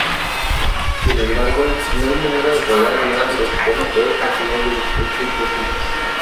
Sin embargo, no hay manera de probar la veracidad o falsedad de esta hipótesis.